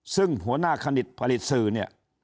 ซึ่งหัวหน้าคณิตผลิตสื่อเนี่ย